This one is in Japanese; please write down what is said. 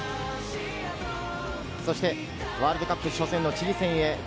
そしてワールドカップ初戦のチリ戦へ。